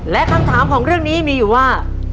และคำถามของเรื่องนี้มีอยู่ว่า